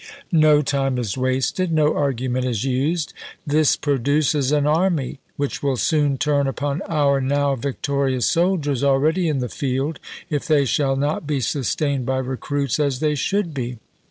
No time is wasted, no argument is used. This produces an army which will soon turn upon our now victorious soldiers, already in the field, if they shall not be sustained by recruits as they should be.